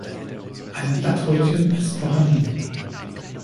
Ein Blatthäutchen ist vorhanden.